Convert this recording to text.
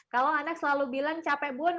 kalau anak selalu bilang capek bun